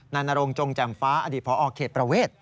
นรงจงแจ่มฟ้าอดีตพอเขตประเวท